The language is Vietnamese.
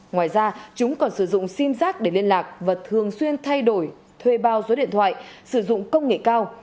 ngoài ra chúng còn sử dụng sim giác để liên lạc và thường xuyên thay đổi thuê bao số điện thoại sử dụng công nghệ cao